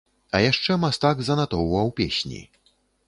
А яшчэ мастак занатоўваў песні.